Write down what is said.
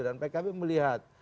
dan pkb melihat